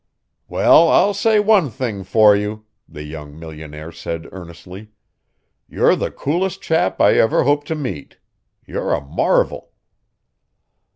"Well, I'll say one thing for you," the young millionaire said earnestly, "you're the coolest chap I ever hope to meet. You're a marvel."